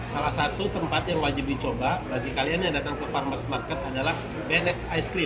salah satu tempat yang wajib dicoba bagi kalian yang datang ke farmer's market adalah bennett's es krim